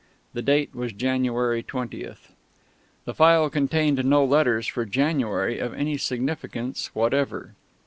The date was January 20th. The file contained no letters for January of any significance whatever.